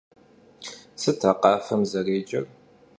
Sıt a khafem zerêcer?